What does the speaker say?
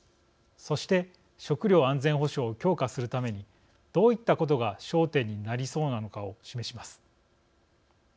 そして、食料安全保障を強化するためにどういったことが焦点になりそうなのかを示します。